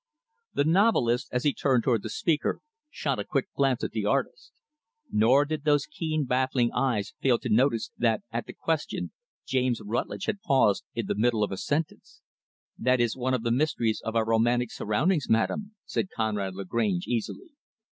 The novelist, as he turned toward the speaker, shot a quick glance at the Artist. Nor did those keen, baffling eyes fail to note that, at the question, James Rutlidge had paused in the middle of a sentence. "That is one of the mysteries of our romantic surroundings madam," said Conrad Lagrange, easily.